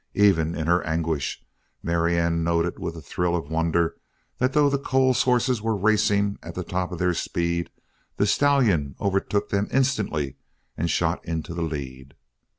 Even in her anguish, Marianne noted with a thrill of wonder that though the Coles horses were racing at the top of their speed, the stallion overtook them instantly and shot into the lead.